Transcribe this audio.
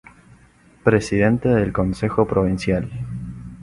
Presidente del Consejo Provincial.